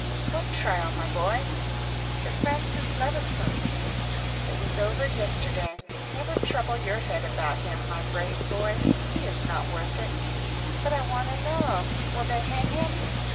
"What trial, my boy?" "Sir Francis Levison's." "It was over yesterday. Never trouble your head about him, my brave boy, he is not worth it." "But I want to know. Will they hang him?"